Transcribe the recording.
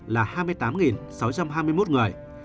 là hai mươi tám sáu trăm hai mươi một người